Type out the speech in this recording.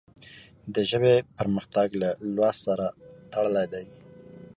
د ژبې پرمختګ له لوست سره تړلی دی.